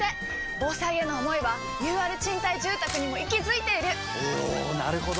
防災への想いはＵＲ賃貸住宅にも息づいているおなるほど！